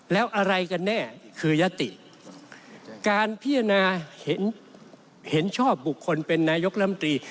การพิจารณาเห็นชอบบุคคลเป็นนายกรัฐมนตรี